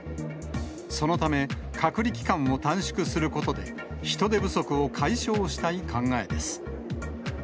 そのため、隔離期間を短縮することで、人手不足を解消したい考えです。